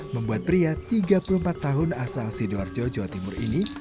membuat pria tiga puluh empat tahun asal sidoarjo jawa timur ini